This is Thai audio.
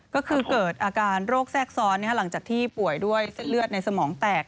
ก็คือเกิดอาการโรคแทรกซ้อนหลังจากที่ป่วยด้วยเส้นเลือดในสมองแตก